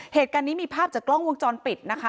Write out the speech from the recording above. เหตุการณ์นี้มีภาพจากกล้องวงจรปิดนะคะ